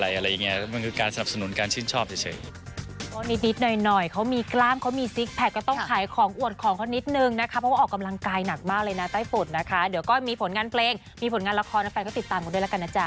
เดี๋ยวก็มีผลงานเพลงมีผลงานละครนะแฟนก็ติดตามกันด้วยละกันนะจ๊ะ